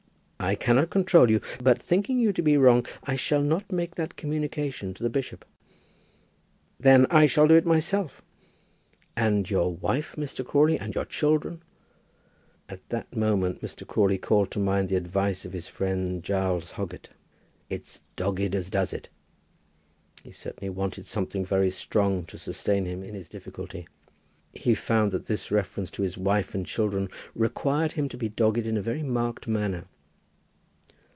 I cannot control you, but thinking you to be wrong, I shall not make that communication to the bishop." "Then I shall do so myself." "And your wife, Mr. Crawley, and your children?" At that moment Mr. Crawley called to mind the advice of his friend Giles Hoggett. "It's dogged as does it." He certainly wanted something very strong to sustain him in his difficulty. He found that this reference to his wife and children required him to be dogged in a very marked manner.